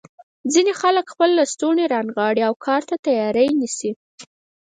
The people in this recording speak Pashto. ځینې خلک خپل لستوڼي رانغاړي او کار ته تیاری نیسي.